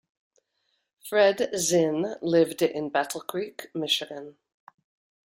Fred Zinn lived in Battle Creek, Michigan.